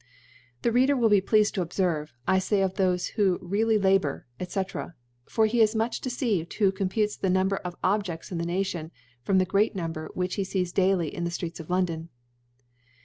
The Reader will .be pleafed to obfcrve, I fay of thofe who really labour ^ iSc. for he is much deceived^ who computes tjie Number of Objefts in the Nation, from the great Number which b^ . daily fees in the Streets of London.